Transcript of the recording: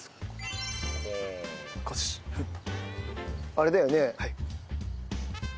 あれだよね？